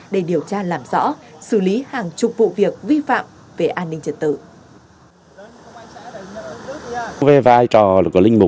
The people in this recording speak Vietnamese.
để điều tra làm rõ xử lý hàng chục vụ việc vi phạm về an ninh trật tự